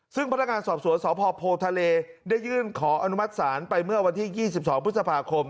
ซึ่งพนักงานสอบสวนสพโพทะเลได้ยื่นขออนุมัติศาลไปเมื่อวันที่๒๒พฤษภาคม